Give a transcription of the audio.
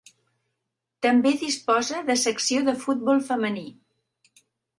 També disposa de secció de futbol femení.